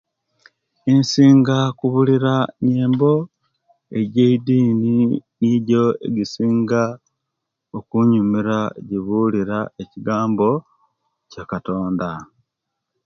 Nsinga kubulira yembo ejedini nijo egisinga okunyumira ejibulira ekigambo kyakatonda